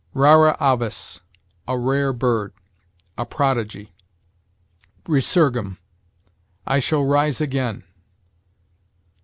Rara avis: a rare bird; a prodigy. Resurgam: I shall rise again.